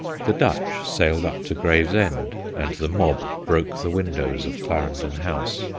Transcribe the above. The Dutcl* sailed up to Gravesend, and the mob broke the windows of Clarendon House.